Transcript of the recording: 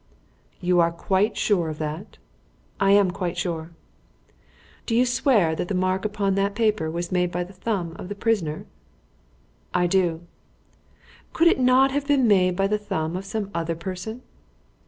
"You are quite sure of that?" "I am quite sure." "Do you swear that the mark upon that paper was made by the thumb of the prisoner?" "I do." "Could it not have been made by the thumb of some other person?"